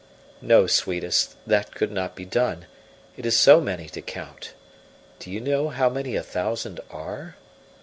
"No, sweetest, that could not be done, it is so many to count. Do you know how many a thousand are?"